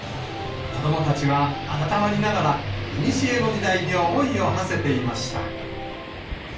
子どもたちはあたたまりながら、いにしえの時代に思いをはせていました。